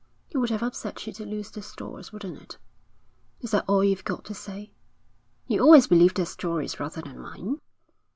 'It would have upset you to lose the stores, wouldn't it?' 'Is that all you've got to say?' 'You always believed their stories rather than mine.'